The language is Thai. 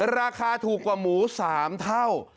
ราคาถูกกว่าหมู๓เท่า